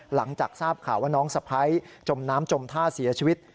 หลังจากทราบข่าวว่าน้องสะพ้ายจมน้ำจมท่าเสียชีวิต